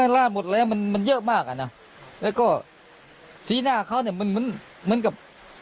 ลาดหมดแล้วมันเยอะมากแล้วก็สีหน้าเขาเหมือนกับ